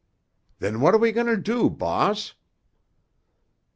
"Then what are we going to do, boss?"